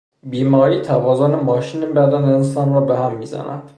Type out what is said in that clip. بیماری توازن ماشین بدن انسان را برهم میزند.